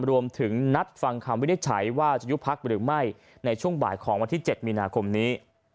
รวมถึงนัดฟังคำวินิจฉัยว่าจะยุบพักหรือไม่ในช่วงบ่ายของวันที่๗มีนาคมนี้